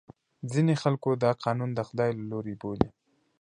ځینې خلکو دا قانون د خدای له لورې بولي.